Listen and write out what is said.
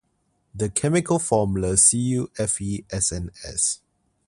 The chemical formula CuFeSnS.